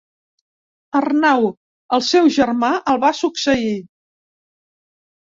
Arnau el seu germà el va succeir.